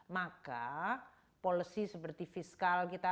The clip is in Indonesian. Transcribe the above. maka policy seperti fiskal kita